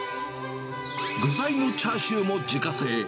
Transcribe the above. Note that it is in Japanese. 具材のチャーシューも自家製。